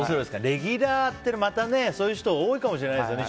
レギュラーって、そういう人多いかもしれないですね。